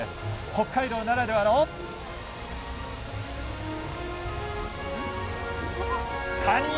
北海道ならではのカニ！